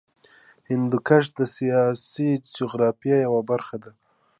هندوکش د سیاسي جغرافیه یوه برخه ده.